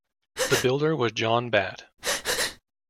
The builder was John Batt.